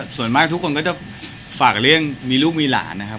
ส่วนมากทุกคนก็จะฝากเรื่องมีลูกมีหลานนะครับ